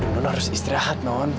aduh nan harus istirahat non